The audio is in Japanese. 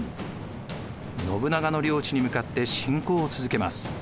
信長の領地に向かって侵攻を続けます。